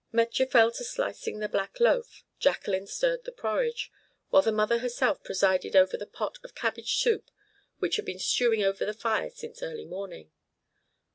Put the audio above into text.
Metje fell to slicing the black loaf, Jacqueline stirred the porridge, while the mother herself presided over the pot of cabbage soup which had been stewing over the fire since early morning.